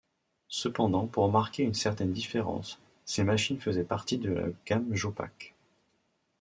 Cependant pour marquer une certaine différence, ces machines faisaient partie de la gamme Jopac.